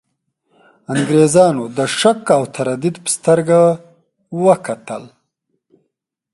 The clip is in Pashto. انګرېزانو د شک او تردید په سترګه وکتل.